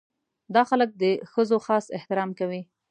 دا خلک د ښځو خاص احترام کوي.